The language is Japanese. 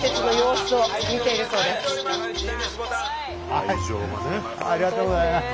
ありがとうございます。